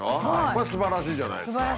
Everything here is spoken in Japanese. これすばらしいじゃないですか。